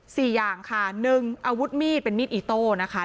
สี่อย่างค่ะหนึ่งอาวุธมีดเป็นมีดอิโต้นะคะ